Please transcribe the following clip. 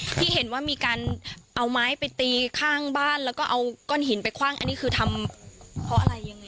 ที่เห็นว่ามีการเอาไม้ไปตีข้างบ้านแล้วก็เอาก้อนหินไปคว่างอันนี้คือทำเพราะอะไรยังไง